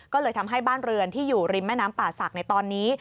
ก็เลยทำให้บ้านเรือนที่อยู่ริมแม่น้ำป่าศักดิ์ในตอนนี้